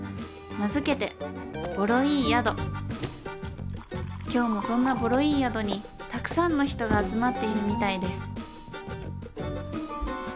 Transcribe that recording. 名づけて今日もそんなボロいい宿にたくさんの人が集まっているみたいです